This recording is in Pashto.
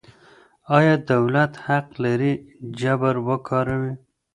آیا دولت حق لري جبر وکاروي؟